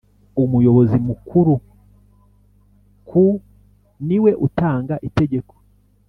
umuyobozi mukuruku niwe utanga itegeko.